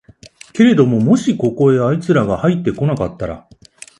けれどももしここへあいつらがはいって来なかったら、